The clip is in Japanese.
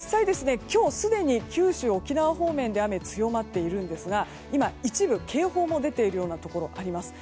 実際、今日すでに九州・沖縄方面で強まっているんですが今、一部警報も出ているようなところがあります。